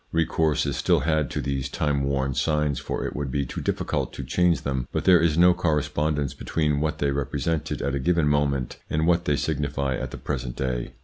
Recourse is still had to these timeworn signs, for it would be too difficult to change them, but there is no correspondence between what they represented at a given moment, and what they signify at the present day.